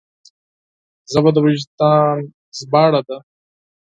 ژبه د وجدان ژباړه ده